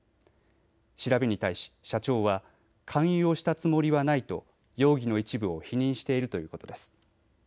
調べに対し社長は勧誘をしたつもりはないと容疑の一部を否認しているということです。